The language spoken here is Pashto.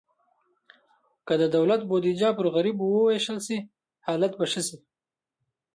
که د دولت بودیجه پر غریبو ووېشل شي، حالت به ښه شي.